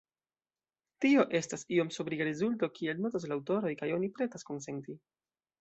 Tio estas iom sobriga rezulto, kiel notas la aŭtoroj, kaj oni pretas konsenti.